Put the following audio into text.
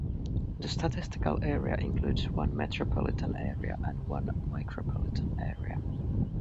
The statistical area includes one metropolitan area and one micropolitan area.